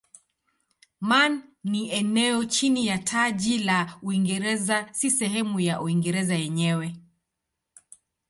Man ni eneo chini ya taji la Uingereza si sehemu ya Uingereza yenyewe.